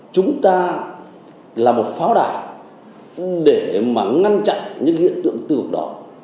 chúng ta làm một pháo đài để mà ngăn chặn những hiện tượng tư vực đó